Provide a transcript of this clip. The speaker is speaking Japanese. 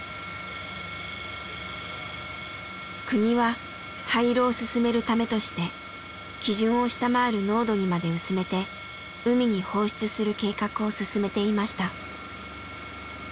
国は廃炉を進めるためとして基準を下回る濃度にまで薄めて海に放出する計画を進めていました。